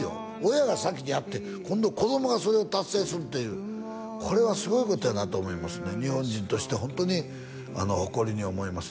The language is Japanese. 親が先にやって今度子供がそれを達成するっていうこれはすごいことやなと思いますね日本人としてホントに誇りに思います